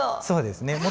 そうですね。